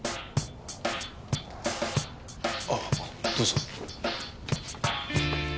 あどうぞ。